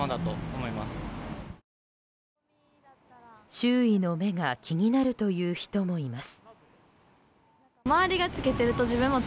周囲の目が気になるという人もいます。